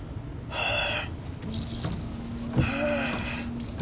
はあ？